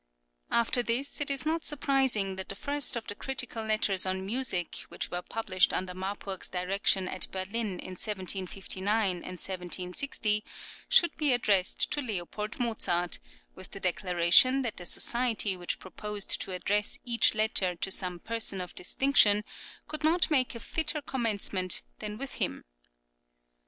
After this it is not surprising that the first of the critical letters on music which were published under Marpurg's direction at Berlin in 1759 and 1760 should be addressed to L. Mozart, with the declaration that the society which proposed to address each letter to some person of distinction, could not make a fitter commencement than with him.